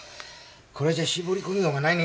これじゃあ絞り込みようがないね。